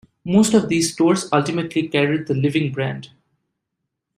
Most of these stores ultimately carried the 'Living' brand.